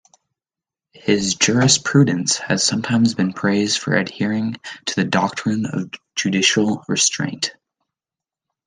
His jurisprudence has sometimes been praised for adhering to the doctrine of judicial restraint.